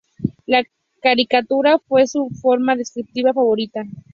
La caricatura fue su forma descriptiva favorita.